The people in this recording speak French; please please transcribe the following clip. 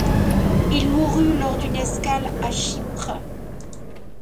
Il mourut lors d’une escale à Chypre.